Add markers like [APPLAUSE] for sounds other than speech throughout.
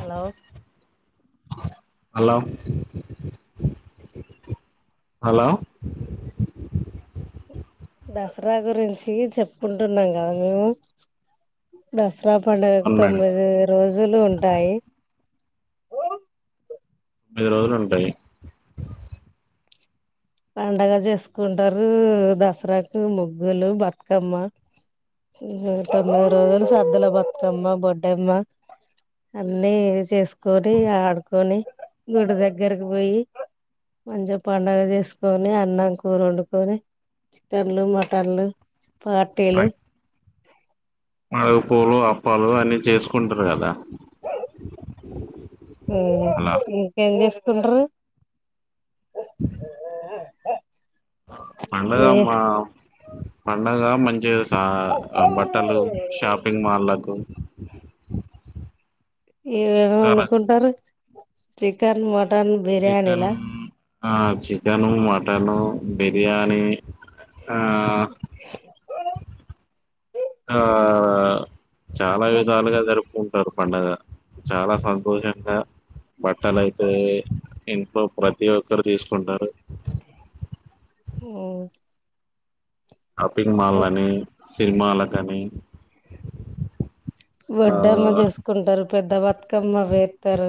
Hello hello hello Dasara గురించి చెప్పుకుంటున్నాం కదా మేము దసరా పండుగకు అవును మేడం తొమ్మిది రోజులు ఉంటాయి ఓ [UNINTELLIGIBLE] ఉంటాయి పండగ చేసుకుంటారు. దసరాకు ముగ్గులు బతుకమ్మ తొమ్మిది రోజులు సద్దుల బతుకమ్మ బొడ్డమ్మ అన్ని చేసేసుకొని ఆడుకొని గుడి దగ్గరకి పోయి మంచిగా పండగ చేస్ కొని అన్నం కూర వండుకొని చికెన్లు మటన్లు పార్టీలు మావిడ్ పూలు అప్పాలు అన్నీ చేస్కు కుంటారు కాద ఇంకేం చేస్ ఉంటరు బ మీ పండగమ్మా పండగా మంచి [INAUDIBLE] సా బట్టలు షాపింగ్ మాళ్లకు ఏ [UNINTELLIGIBLE] కుంటారు చికెన్ మ టన్ చికెన్ బిర్యానీలా ఆ చికెను మటను బిర్యానీ ఆ ఆ చాలా విధాలుగా జరుపుకుం టారు పండగ చాలా సంతోషంగా బట్టలయితే ఇంట్లో ప్రతి ఒక్ [UNINTELLIGIBLE] తీసుకుంటారు మ్మ్ షాపింగ్ మాల్ అని సినిమాలకని అలా వడ్డమ్మ చేసుకుంటారు పెద్ద బతుకమ్మ వేత్తారు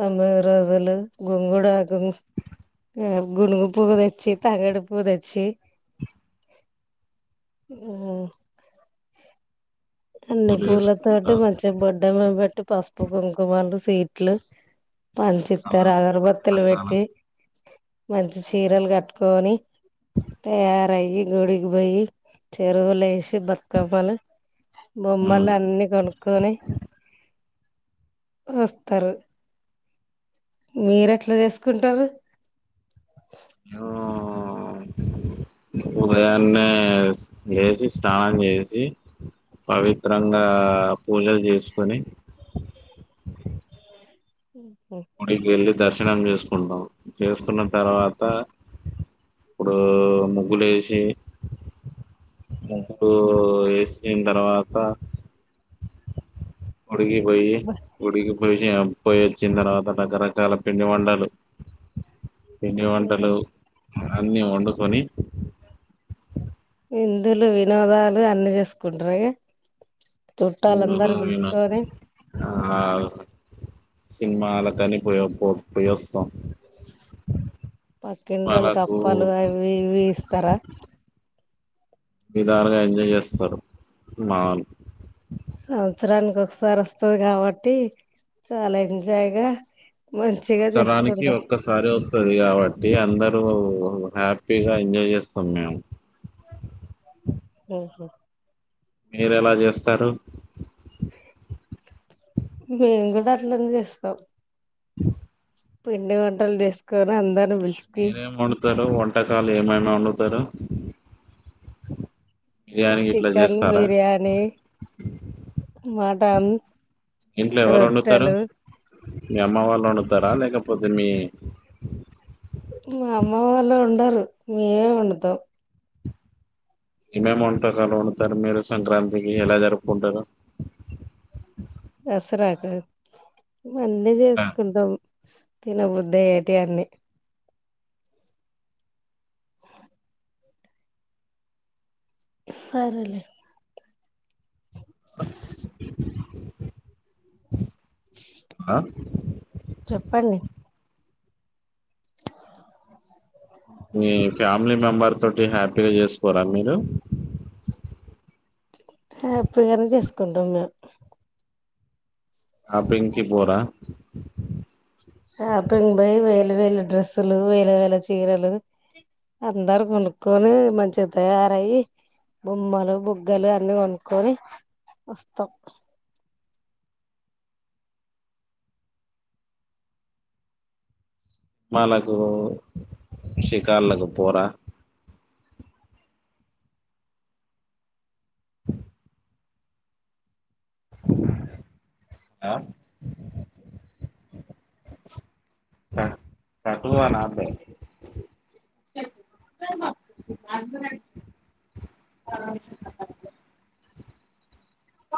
తొమ్మిది రోజులు గొంగుడు ఆకు గునుగు పువ్వ తెచ్చి తంగేడి పువ్వ్ తెచ్చి అన్ని పూలు పూలతోటి వేసుకుంటారు మంచిగా బొడ్డమ్ పెట్టి పసుపు కుంకుమలు స్వీట్లు పంచిత్తారు అగరబత్తులు పెట్టి మంచి చీరలు కట్టుకొని తయారయి గుడికి పోయి చెరువులే [UNINTELLIGIBLE] బతుకవ్వాల ఉమ్ బొమ్మలు అన్ని కొనుక్కొని వస్తారు మీరెట్లా చేసుకుంటారు [UNINTELLIGIBLE] ఉదయాన్నే లేచి స్నానం చేసి పవిత్రంగా పూజలు చేసుకొని ఉ గుడికెళ్ళి దర్శ్ నం చేసుకుంటాం చేసుకున్న తర్వాత ఇప్పుడు ముగ్గులు వేసి ముగ్గు ఏసిన తర్వాత గుడికి పోయితే గుడికి [INAUDIBLE] పోయి వచ్చిన తర్వాత రకరకాల పిండి వండలు పిండి వంటలు అన్ని వండుకొని ఇందులు వినోదాలు అన్ని చేసుకుంటార ఇగ చూడ చుట్టాలందరూ అనా పిలుసుకొని ఆ సినిమా అలా కాని పో పోయాస్ పక్కింటోలు సినిమాలకు కప్పాలు అవి ఇవి ఇస్తారా విధాలుగా ఎంజాయ్ చేస్తారు మాలు సంవత్సరానికి ఒకసారి వస్తది కాబట్టి చాలా ఎంజాయ్గా సంవస్తరానికి ఒక్కసారి వస్తు స్తుంది కాబట్టి అందరూ హ్యాపీగా ఎంజాయ్ చేస్తాం మేము ఆహ మీరు ఎలా చేస్తారు మేము కూడా అట్లనే చేస్తాం పిండి వంటలు చేసుకోని అందరు మీరేం వండుతారు వంటకాలు ఏమైనా కాండ తార చికెన్ బిర్యానీ మ టన్ ఇంట్లో ఎవరు వండుతారు మీ అమ్మ వాళ్ళు వండుతారా లేకపోతే మీ మా అమ్మ వాళ్ళు వండరు మేమే వండుతాం ఏమేమి వంటకాలు వండుతారు మీరు సంక్రాంతికి ఎలా జరుపుకుంటారు దసరాక ఇవన్నీ ఆ, చేసుకుంటాం తినబుద్ద అయ్యేటివి అన్ని సరేలే ఆ చెప్పండి మీ ఫామ్ ఫ్యామిలీ మెంబర్ తోటి హ్యాపీగా చేసుకోరా మీరు హ్యాపీగానే చేసుకుంటాం మేము షాపింగ్ కి పోరా షాపింగ్ పై వేలు వేలు డ్రెస్సులు వేలు వేల చీరలు అందరు కొనుక్కొని మంచిగా తయారయి బొమ్మలు బుగ్గలు అన్ని కొనుక్కొని వస్తాం సినిమాలకు షికారులకు పోరా ఆ క కదునా అంతే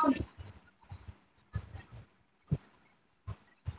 అవును